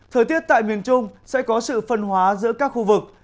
thời tiết tại miền trung sẽ có sự phân hóa giữa các khu vực